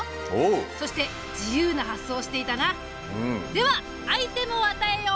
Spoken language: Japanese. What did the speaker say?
ではアイテムを与えよう。